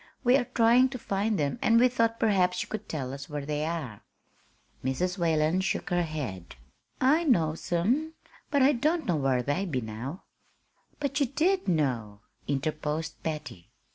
We are trying to find them, and we thought perhaps you could tell us where they are." Mrs. Whalen shook her head. "I knows 'em, but I don't know whar they be now." "But you did know," interposed Patty.